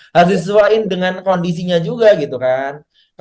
harus disesuaikan dengan kondisinya juga gitu kan